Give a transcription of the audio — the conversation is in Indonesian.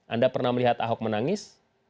anda pernah melihat ahok menangis